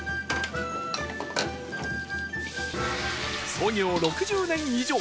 創業６０年以上